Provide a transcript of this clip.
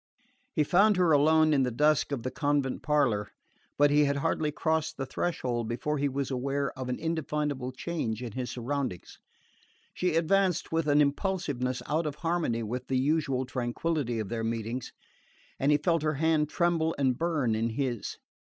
He found her alone in the dusk of the convent parlour; but he had hardly crossed the threshold before he was aware of an indefinable change in his surroundings. She advanced with an impulsiveness out of harmony with the usual tranquillity of their meetings, and he felt her hand tremble and burn in his.